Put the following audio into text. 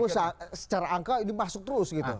secara angka ini masuk terus gitu